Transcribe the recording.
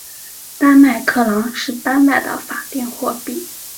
丹麦克朗是丹麦的法定货币。